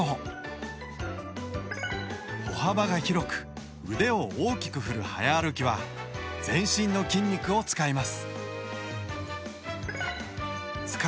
歩幅が広く腕を大きく振る早歩きは全身の筋肉を使います。